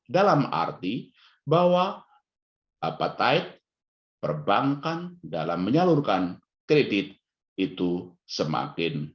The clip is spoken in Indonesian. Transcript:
dalam arti bahwa tight perbankan dalam menyalurkan kredit itu semakin